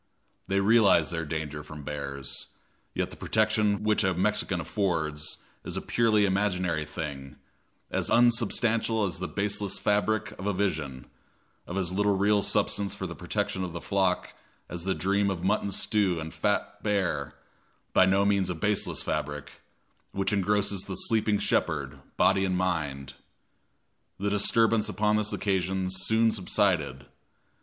They realize their danger from bears, yet the protection which a Mexican affords is a purely imaginary thing, as unsubstantial as the baseless fabric of a vision, of as little real substance for the protection of the flock as the dream of mutton stew and fat bear, by no means a baseless fabric, which engrosses the sleeping shepherd, body and mind. The disturbance upon this occasion soon subsided.